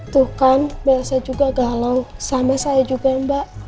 tuh kan biasanya juga galau sama saya juga mbak